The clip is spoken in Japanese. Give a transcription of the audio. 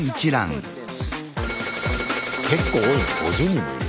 結構多いな５０人もいる。